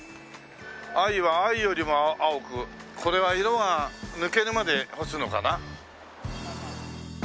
藍は藍よりも青くこれは色が抜けるまで干すのかな？